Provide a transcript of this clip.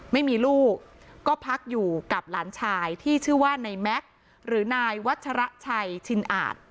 ไม่มีลูกก็พักอยู่กับหลานชายที่ชื่อว่านายแม็กซ์หรือนายวัชระชัยชินอาจ